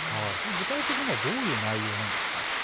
具体的にはどういう内容なんですか。